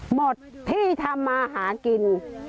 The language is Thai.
หมดที่ทำมาหากิน